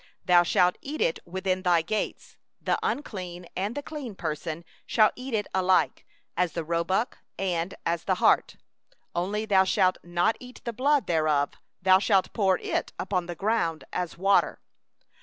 22Thou shalt eat it within thy gates; the unclean and the clean may eat it alike, as the gazelle, and as the hart. 23Only thou shalt not eat the blood thereof; thou shalt pour it out upon the ground as water.